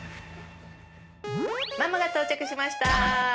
ママが到着しました。